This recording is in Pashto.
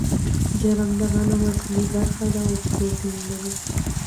جرم د غنم اصلي برخه ده او پروټین لري.